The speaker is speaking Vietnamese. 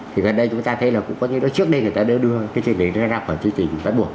thì gần đây chúng ta thấy là cũng có những đứa trước đây người ta đưa cái chương trình ra ra khỏi chương trình bắt buộc